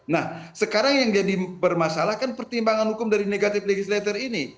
nah sekarang yang jadi bermasalah kan pertimbangan hukum dari negative legislator ini